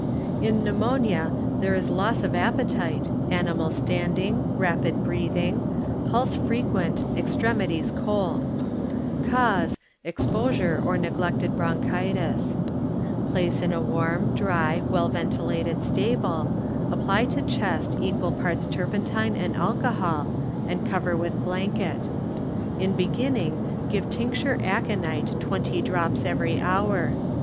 In Pneumonia there is loss of appe tite, animal standing, rapid breathing, pulse frequent, extremities cold. Cause, exposure or neglected bronchitis. Place in a warm, dry, well ventilated stable, apply to chest equal parts turpentine and alcohol and cover with blanket. In be ginning give tincture aconite twenty drops every hour.